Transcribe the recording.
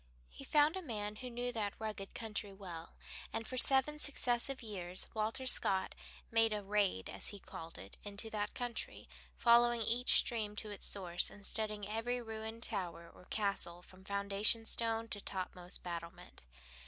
He found a man who knew that rugged country well, and for seven successive years Walter Scott made a "raid," as he called it, into that country, following each stream to its source, and studying every ruined tower or castle from foundation stone to topmost battlement.